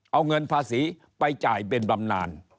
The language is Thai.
เอาเงินภาษีไปจ่ายเป็นบำนาน